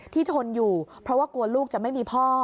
ทนอยู่เพราะว่ากลัวลูกจะไม่มีพ่อ